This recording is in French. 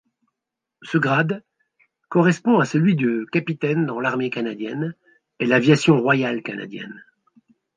Ce grade correspond à celui de capitaine dans l'Armée canadienne et l'Aviation royale canadienne.